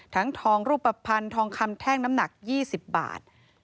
ทองรูปภัณฑ์ทองคำแท่งน้ำหนัก๒๐บาท